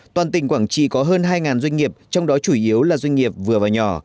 toàn tỉnh quảng trị có hơn hai doanh nghiệp trong đó chủ yếu là doanh nghiệp vừa và nhỏ